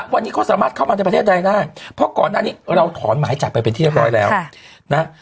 วันนี้เขาสามารถเข้ามาในประเทศใดได้เพราะก่อนหน้านี้เราถอนหมายจับไปเป็นที่เรียบร้อยแล้วนะ